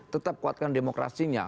tetap kuatkan demokrasinya